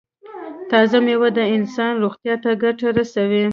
تازه میوه د انسان روغتیا ته ګټه رسوي.